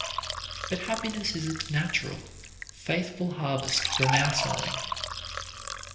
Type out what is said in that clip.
But happiness is a natural, faithful harvest from our sowing.